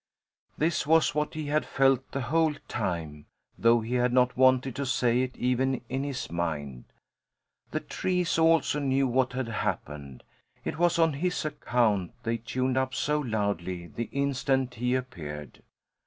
This was what he had felt the whole time, though he had not wanted to say it even in his mind. The trees also knew what had happened. It was on his account they tuned up so loudly the instant he appeared.